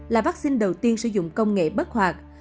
là vắc xin đầu tiên sử dụng công nghệ bất hoạt